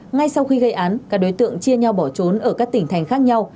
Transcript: ngay sau khi gây án các đối tượng chia nhau bỏ trốn ở các tỉnh thành khác nhau